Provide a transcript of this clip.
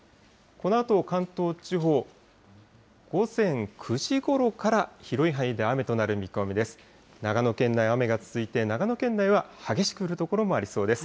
このあと関東地方、午前９時ごろから広い範囲で雨となる見込みです。